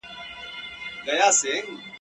پر چنارونو به یې کښلي قصیدې وي وني !.